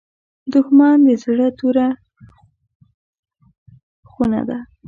دښمن د زړه توره خونه ده